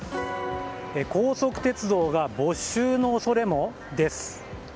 高速鉄道が没収の恐れもです。